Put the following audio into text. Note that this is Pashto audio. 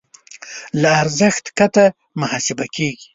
له ارزښت کښته محاسبه کېږي.